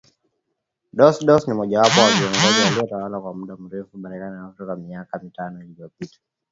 Dos Santos ni mojawapo wa viongozi waliotawala kwa mda mrefu barani Afrika alistaafu miaka mitano iliyopita